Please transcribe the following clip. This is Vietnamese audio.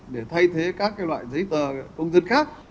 để thay thế các loại giấy tờ công dân khác